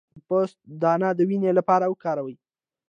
د پسته دانه د وینې لپاره وکاروئ